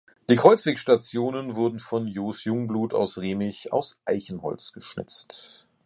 Die Kreuzwegstationen wurden von Jos Jungblut aus Remich aus Eichenholz geschnitzt.